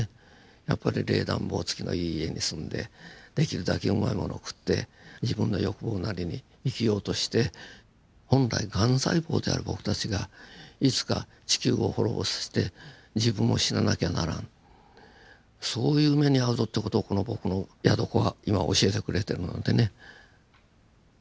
やっぱり冷暖房付きのいい家に住んでできるだけうまいものを食って自分の欲望なりに生きようとして本来ガン細胞である僕たちがいつか地球を滅ぼして自分も死ななきゃならんそういう目に遭うぞって事をこの僕の宿子は今教えてくれてるのでね。